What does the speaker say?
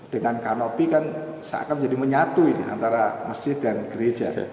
dengan kanopi kan seakan menjadi menyatu ini antara masjid dan gereja